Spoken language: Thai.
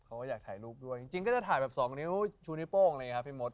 เขาก็อยากถ่ายรูปด้วยจริงก็จะถ่ายแบบสองนิ้วชูนิ้วโป้งอะไรอย่างนี้ครับพี่มด